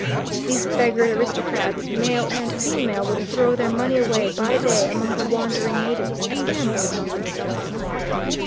These beggared aristocrats, male and female, would throw their money away by day among the wondering natives, and gamble among themselves at night.